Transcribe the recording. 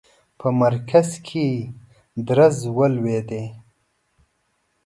په مرکز کې درز ولوېدی.